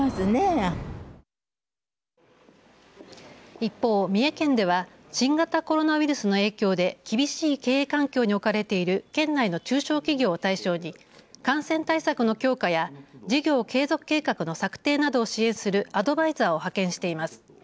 一方、三重県では新型コロナウイルスの影響で厳しい経営環境に置かれている県内の中小企業を対象に感染対策の強化や事業継続計画の策定などを支援するアドバイザーを派遣しています。